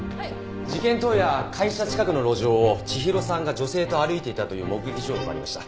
事件当夜会社近くの路上を千尋さんが女性と歩いていたという目撃情報がありました。